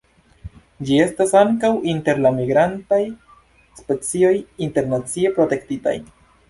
Ĝi estas ankaŭ inter la migrantaj specioj internacie protektitaj.